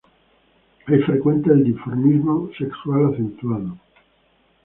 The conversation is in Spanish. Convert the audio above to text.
Es frecuente el dimorfismo sexual acentuado.